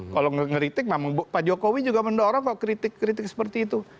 kalau ngeritik memang pak jokowi juga mendorong kok kritik kritik seperti itu